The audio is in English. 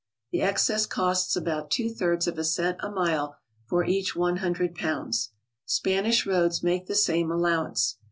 The excess costs about two thirds of a cent a mile for each 100 pounds. Spanish roads make the same allowance.